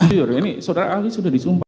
jujur ini saudara ahli sudah disumpah